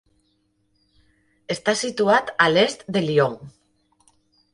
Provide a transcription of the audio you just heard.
Està situat a l'est de Lyon.